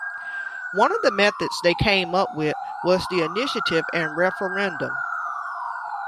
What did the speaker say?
One of the methods they came up with was the initiative and referendum.